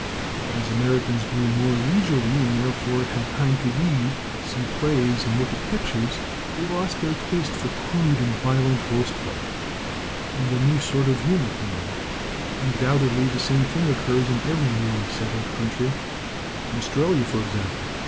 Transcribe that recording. But as Americans grew more leisurely, and therefore had time to read, 57 LITERATURE IN THE MAKING see plays, and look at pictures, they lost their taste for crude and violent horseplay, and the new sort of humor came in. Undoubtedly the same thing occurs in every newly settled country Australia, for example.